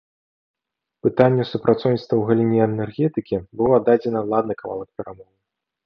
Пытанню супрацоўніцтва ў галіне энергетыкі быў аддадзены ладны кавалак перамоў.